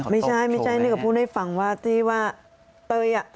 ไม่ใช่ไม่ใช่นี่ก็พูดให้ฟังว่าที่ว่าเตยอ่ะ